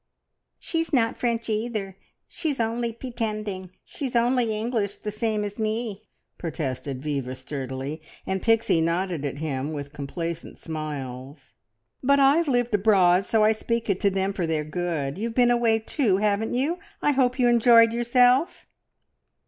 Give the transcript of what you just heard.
"She's not French either; she's only pitending. She's only English the same as me," protested Viva sturdily; and Pixie nodded at him with complacent smiles. "But I've lived abroad; so I speak it to them for their good. You've been away too, haven't you? I hope you enjoyed yourself?"